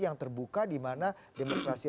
yang terbuka di mana demokrasi